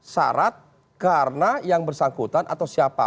syarat karena yang bersangkutan atau siapa